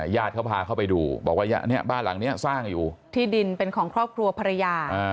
ญาติเขาพาเขาไปดูบอกว่าบ้านหลังนี้สร้างอยู่ที่ดินเป็นของครอบครัวภรรยา